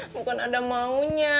bukan ada maunya